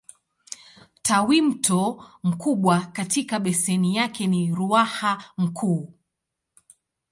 Tawimto mkubwa katika beseni yake ni Ruaha Mkuu.